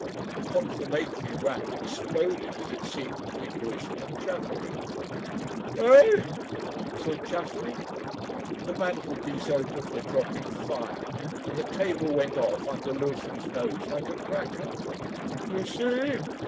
A confirmatory rap exploded as it seemed between Lewisham and Chaffery. "Eh?" said Chaffery. The mantelpiece opened a dropping fire, and the table went off under Lewisham's nose like a cracker. "You see?"